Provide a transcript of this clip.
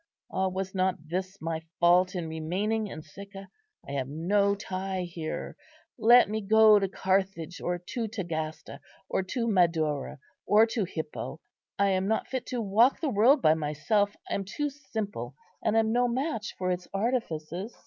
Ah, was not this my fault in remaining in Sicca? I have no tie here; let me go to Carthage, or to Tagaste, or to Madaura, or to Hippo. I am not fit to walk the world by myself; I am too simple, and am no match for its artifices."